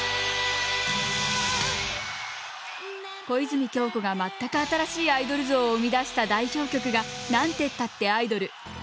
小泉今日子が全く新しいアイドル像を生み出した代表曲が「なんてったってアイドル」。